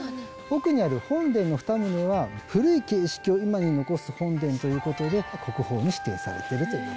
奥にある本殿の２棟は古い形式を今に残す本殿ということで国宝に指定されてるという。